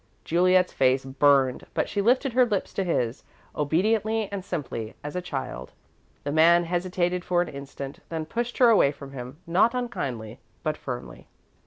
Juliet's face burned, but she lifted her lips to his, obediently and simply as a child. The man hesitated for an instant, then pushed her away from him; not unkindly, but firmly.